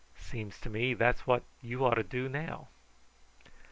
Seems to me that's what you ought to do now."